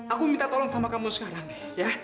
aku minta tolong sama kamu sekarang ya